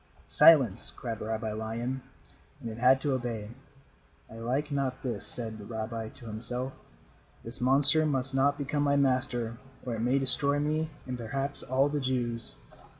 "Silence," cried Rabbi Lion, and it had to obey. "I like not this," said the rabbi to himself. "This monster must not become my master, or it may destroy me and perhaps all the Jews."